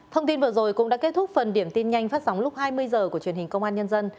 thông tin vừa rồi cũng đã kết thúc phần điểm tin nhanh phát sóng lúc hai mươi h của truyền hình công an nhân dân